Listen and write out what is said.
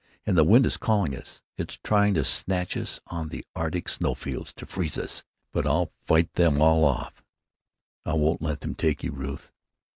And the wind is calling us—it's trying to snatch us out on the arctic snow fields, to freeze us. But I'll fight them all off. I won't let them take you, Ruth."